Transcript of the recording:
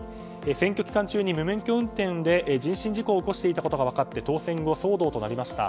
選挙期間中に無免許運転で人身事故を起こしていたことが分かって当選後騒動となりました。